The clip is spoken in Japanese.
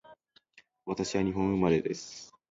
私は日本生まれです